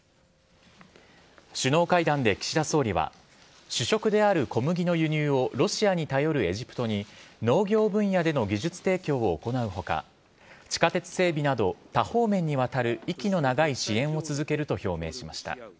首脳会談で岸田総理は、主食である小麦の輸入をロシアに頼るエジプトに、農業分野での技術提供を行うほか、地下鉄整備など、多方面にわたる息の長い支援を続けると表明しました。